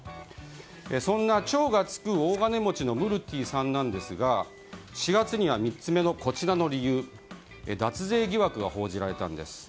そんな超がつく大金持ちのムルティさんですが４月には、３つ目のこちらの脱税疑惑が報じられたんです。